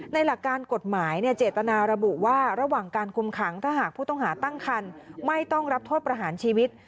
หลักการกฎหมายเจตนาระบุว่าระหว่างการคุมขังถ้าหากผู้ต้องหาตั้งคันไม่ต้องรับโทษประหารชีวิต